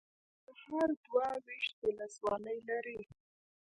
ننګرهار دوه ویشت ولسوالۍ لري.